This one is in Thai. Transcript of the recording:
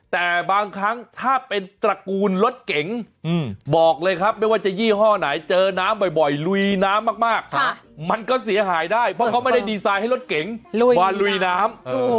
แต่บางครั้งถ้าเป็นตระกูลรถเก๋งบอกเลยครับไม่ว่าจะยี่ห้อไหนเจอน้ำบ่อยลุยน้ำมากมันก็เสียหายได้เพราะเขาไม่ได้ดีไซน์ให้รถเก๋งมาลุยน้ำ